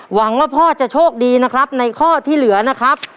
หวังว่าพ่อจะโชคดีนะครับในข้อที่เหลือนะครับ